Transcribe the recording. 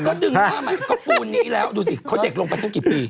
ฆ่าใหม่ก็ปูนี้แล้วดูสิเค้าเด็กลงกันทั้งกี่ปี